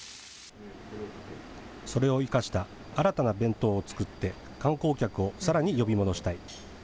それを生かした新たな弁当を作って観光客をさらに呼び戻したい。